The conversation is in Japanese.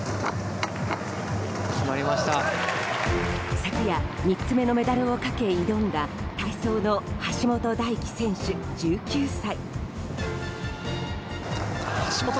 昨夜３つ目のメダルをかけ挑んだ体操の橋本大輝選手、１９歳。